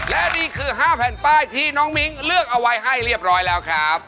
และนี่คือ๕แผ่นป้ายที่น้องมิ้งเลือกเอาไว้ให้เรียบร้อยแล้วครับ